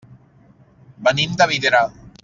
Venim de Vidrà.